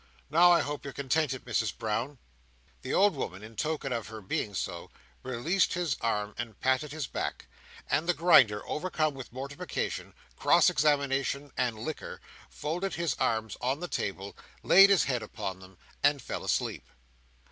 "Now, I hope you're contented, Misses Brown!" The old woman, in token of her being so, released his arm and patted his back; and the Grinder, overcome with mortification, cross examination, and liquor, folded his arms on the table, laid his head upon them, and fell asleep.